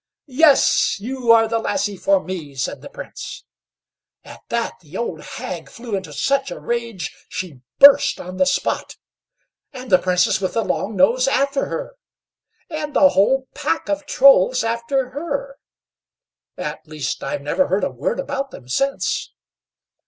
"Yes; you are the lassie for me," said the Prince. At that the old hag flew into such a rage, she burst on the spot, and the Princess with the long nose after her, and the whole pack of Trolls after her at least I've never heard a word about them since.